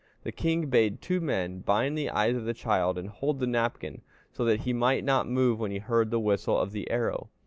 The king bade two men bind the eyes of the child and hold the napkin, so that he might not move when he heard the whistle of the arrow.